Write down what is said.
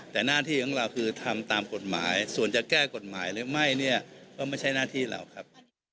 แต่หน้าที่ของเราคือทำตามกฎหมายส่วนจะแก้กฎหมายหรือไม่เนี่ยก็ไม่ใช่หน้าที่เราครับ